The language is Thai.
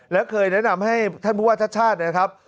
และเคยแนะนำให้ท่านผู้ว่าชัดน่ะครับ